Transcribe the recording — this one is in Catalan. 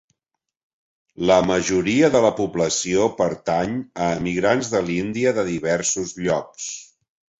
La majoria de la població pertany a emigrants de l'Índia de diversos llocs.